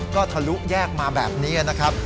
ก็ทะลุแยกมาแบบนี้นะครับ